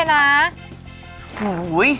อันนี้ก็ดีนะ